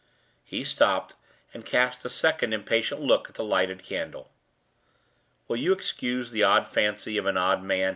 He stopped, and cast a second impatient look at the lighted candle. "Will you excuse the odd fancy of an odd man?"